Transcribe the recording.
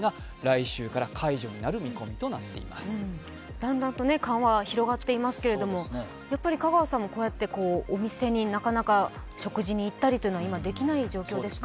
だんだんと緩和広がっていますけど香川さんも、こうやってお店になかなか食事に行ったりというのも今できない状況ですか？